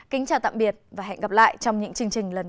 kính chào tạm biệt và hẹn gặp lại trong những chương trình lần sau